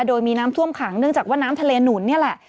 โดยมีน้ำท่วมขังเนื่องจากว่าน้ำทะเลหนุนนี่แหละ